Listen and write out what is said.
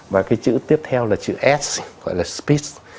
và cái chữ tiếp theo là chữ s gọi là spid